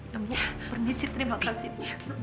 ya bu perbisi terima kasih bu